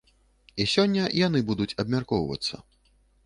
І сёння яны будуць абмяркоўвацца.